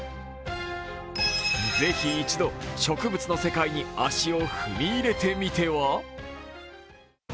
ぜひ一度、植物の世界に足を踏み入れてみては？